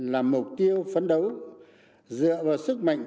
là mục tiêu phấn đấu dựa vào sức mạnh